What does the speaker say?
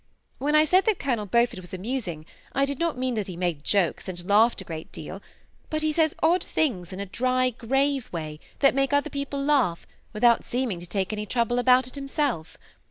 When I said that Colonel Beaufort was amusing, I did not mean that he made jokes, and laughed a great deal ; but he says odd things in a dry, grave way, that make other people laugh, without seeming to take any trouble about it himself.